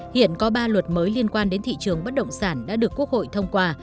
hiện có ba luật mới liên quan đến thị trường bất động sản đã được quốc hội thông qua